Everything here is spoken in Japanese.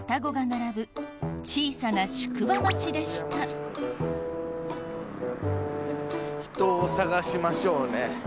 続いては人を探しましょうね。